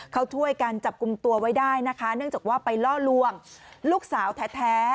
เขาช่วยกันจับกลุ่มตัวไว้ได้นะคะเนื่องจากว่าไปล่อลวงลูกสาวแท้